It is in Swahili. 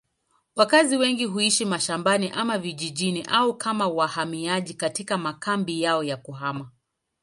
Wakazi wengi huishi mashambani ama vijijini au kama wahamiaji katika makambi yao ya kuhama.